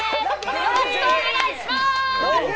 よろしくお願いします！